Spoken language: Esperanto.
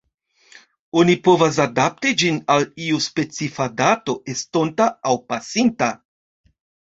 Oni povas adapti ĝin al iu specifa dato estonta aŭ pasinta.